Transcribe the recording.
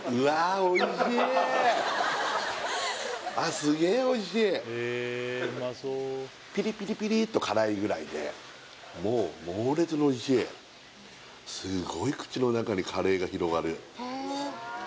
すげえおいしいピリピリピリと辛いぐらいでもう猛烈においしいすごい口の中にカレーが広がる